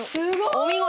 お見事。